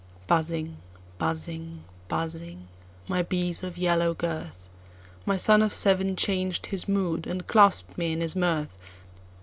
Buzzing, buzzing, buzzing, my bees of yellow girth:My son of seven changed his mood, and clasp'd me in his mirth.